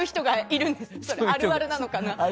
あるあるなのかな。